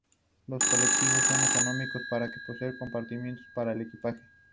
Los colectivos son económicos, pero no poseen compartimentos para el equipaje.